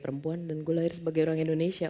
perempuan dan gue lahir sebagai orang indonesia